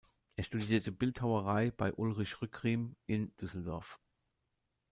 Er studierte Bildhauerei bei Ulrich Rückriem in Düsseldorf.